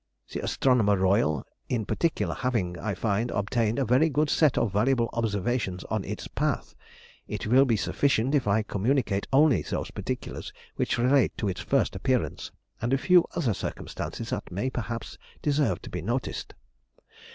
The Astronomer Royal in particular having, I find, obtained a very good set of valuable observations on its path, it will be sufficient if I communicate only those particulars which relate to its first appearance, and a few other circumstances that may perhaps deserve to be noticed.